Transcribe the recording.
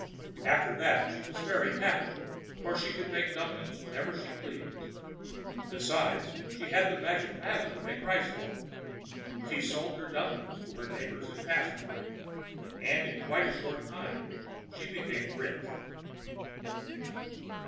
After that she was very happy, for she could make dumplings whenever she pleased. Besides, she had the magic paddle to make rice for her. She sold her dumplings to her neighbors and passengers, and in quite a short time she became rich.